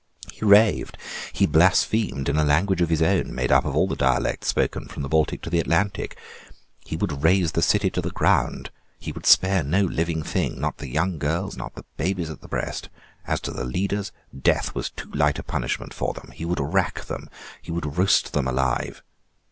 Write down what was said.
He raved, he blasphemed, in a language of his own, made up of all the dialects spoken from the Baltic to the Atlantic. He would raze the city to the ground: he would spare no living thing; no, not the young girls; not the babies at the breast. As to the leaders, death was too light a punishment for them: he would rack them: he would roast them alive.